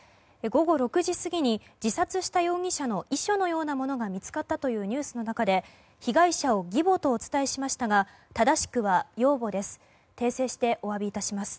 午後６時過ぎに自殺した容疑者の遺書のようなものが見つかったというニュースの中で被害者を義母とお伝えしましたが正しくは養母です。